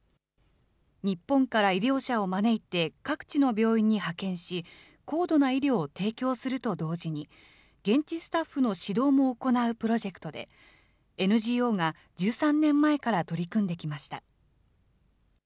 日本から医療者を招いて各地の病院に派遣し、高度な医療を提供すると同時に、現地スタッフの指導も行うプロジェクトで、ＮＧＯが１３年前から取り組んできました。